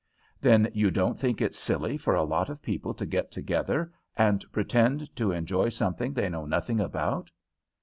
"Then you don't think it silly for a lot of people to get together and pretend to enjoy something they know nothing about?"